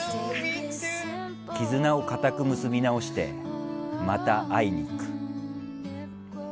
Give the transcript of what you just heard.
絆を固く結び直してまた会いに行く。